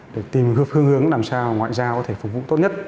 để tìm phương hướng làm sao ngoại giao có thể phục vụ tốt nhất